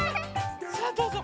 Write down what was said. さあどうぞ。